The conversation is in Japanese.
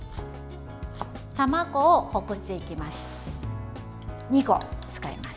卵をほぐしていきます。